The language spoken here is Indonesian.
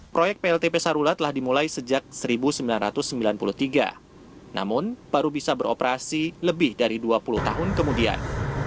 proyek pltp sarula telah dimulai sejak seribu sembilan ratus sembilan puluh tiga namun baru bisa beroperasi lebih dari dua puluh tahun kemudian